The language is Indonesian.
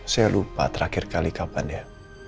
saya lupa terakhir kali kapan ya